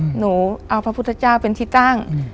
หนูเอาพระพุทธเจ้าเป็นที่ตั้ง